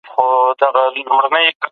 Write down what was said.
د اتڼ په وخت کي کوم سازونه ږغول کيږي؟